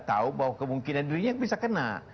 tahu bahwa kemungkinan dirinya bisa kena